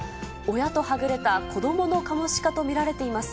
親とはぐれた子どものカモシカと見られています。